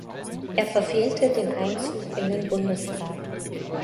Er verfehlte den Einzug in den Bundestag.